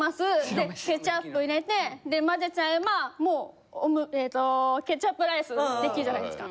でケチャップ入れてで混ぜちゃえばもうえっとケチャップライス出来るじゃないですか。